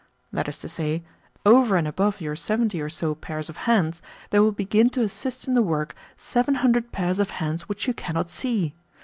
That is to say, over and above your seventy or so pairs of hands, there will begin to assist in the work seven hundred pairs of hands which you cannot see.